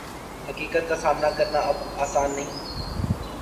حقیقت کا سامنا کرنا اب آسان نہیں